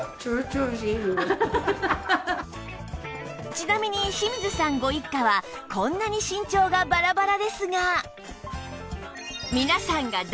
ちなみに清水さんご一家はこんなに身長がバラバラですが